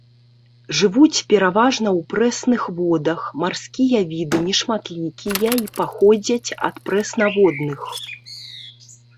Жывуць пераважна ў прэсных водах, марскія віды нешматлікія і паходзяць ад прэснаводных.